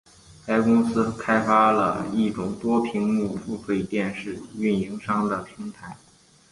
该公司开发了一种多屏幕付费电视运营商的平台。